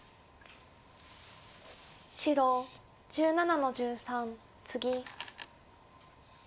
白１７の十三ツギ。